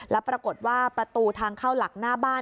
แล้วปรากฏว่าประตูทางเข้าหลักหน้าบ้าน